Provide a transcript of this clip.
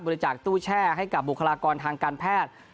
จากตู้แช่ให้กับบุคลากรทางการแพทย์